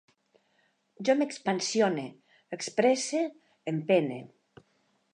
Jo m'expansione, expresse, empene